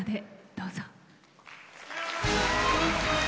どうぞ。